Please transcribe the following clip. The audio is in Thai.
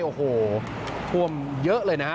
โอ้โฮถ้วมเยอะเลยนะ